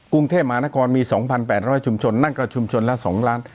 กรุงเทพมหานครมี๒๘๐๐ชุมชนนั่นก็ชุมชนละ๒ล้าน